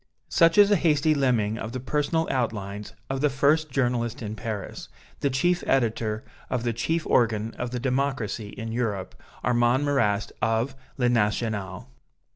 Such is a hasty limning of the personal outlines of the first journalist in Paris, the chief editor of the chief organ of the democracy in Europe, Armand Marrast, of "Le National."